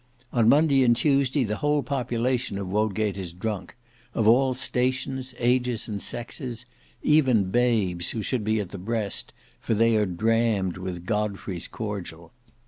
On Monday and Tuesday the whole population of Wodgate is drunk; of all stations, ages, and sexes; even babes, who should be at the breast; for they are drammed with Godfrey's cordial.